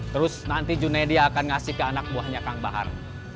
terus nanti junedi akan ngasih ke anak buahnya kang bahar